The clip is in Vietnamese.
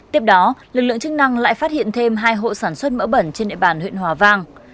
tiếp đó lực lượng chức năng lại phát hiện thêm hai hộ sản xuất mỡ bẩn trên địa bàn huyện hòa vang